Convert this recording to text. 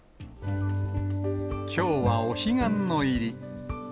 きょうはお彼岸の入り。